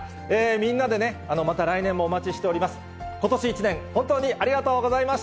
みんなでね、また来年もお待ちしております。